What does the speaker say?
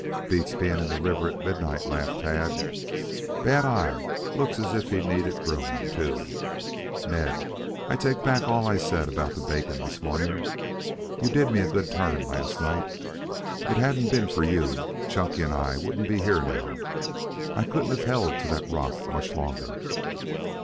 "Beats being in the river at midnight," laughed Tad. "Bad eye looks as if he needed grooming, too. Ned, I take back all I said about the bacon this morning. You did me a good turn last night. If it hadn't been for you, Chunky and I wouldn't be here now. I couldn't have held to that rock much longer."